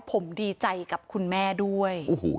ผมดีใจกับคุณแม่ด้วย